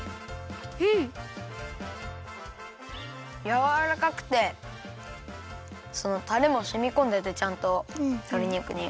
やわらかくてそのたれもしみこんでてちゃんととりにくに。